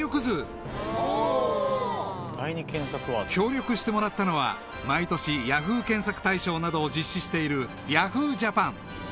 ［協力してもらったのは毎年Ｙａｈｏｏ！検索大賞などを実施しているＹａｈｏｏ！ＪＡＰＡＮ］